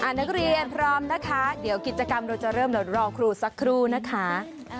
นักเรียนพร้อมนะคะเดี๋ยวกิจกรรมเราจะเริ่มเดี๋ยวรอครูสักครู่นะคะ